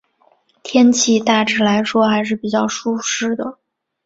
天气大致来说还是比较舒适的。